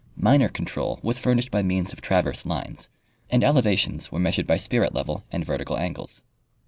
Minor control was furnished by means of traverse lines, and elevations were measured by spirit level and vertical angles.